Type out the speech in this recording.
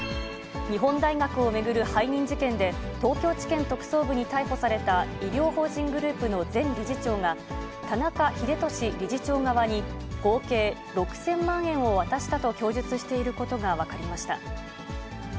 日本大学を巡る背任事件で、東京地検特捜部に逮捕された医療法人グループの前理事長が、田中英壽理事長側に合計６０００万円を渡したと供述していることが分かりました。